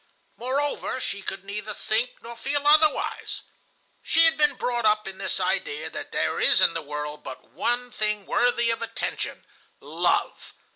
Moreover, she could neither think nor feel otherwise. She had been brought up in this idea that there is in the world but one thing worthy of attention,—love.